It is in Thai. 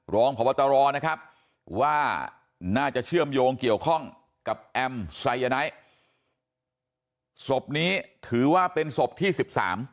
รองพบตรนะครับว่าน่าจะเชื่อมโยงเกี่ยวข้องกับแอมไซยาไนท์ศพนี้ถือว่าเป็นศพที่สิบสาม